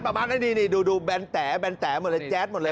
ประมาณนั้นดีดูแบรนด์แต๋แบรนด์แต๋หมดแล้วแจ๊ดหมดแล้ว